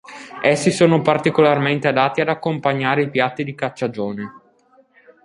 Essi sono particolarmente adatti ad accompagnare i piatti di cacciagione.